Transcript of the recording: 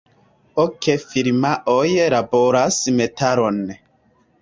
Ok firmaoj laboras metalon.